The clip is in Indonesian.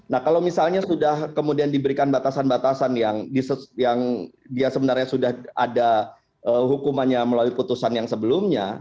nah kalau misalnya sudah kemudian diberikan batasan batasan yang dia sebenarnya sudah ada hukumannya melalui putusan yang sebelumnya